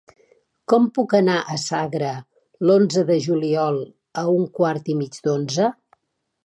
Com puc anar a Sagra l'onze de juliol a un quart i mig d'onze?